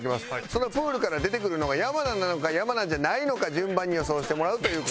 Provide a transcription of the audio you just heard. そのプールから出てくるのが山名なのか山名じゃないのか順番に予想してもらうという。